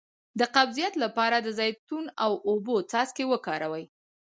د قبضیت لپاره د زیتون او اوبو څاڅکي وکاروئ